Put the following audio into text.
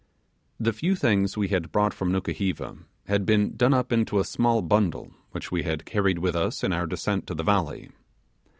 The few things we had brought from Nukuheva had been done up into a small bundle which we had carried with us in our descent to the valley.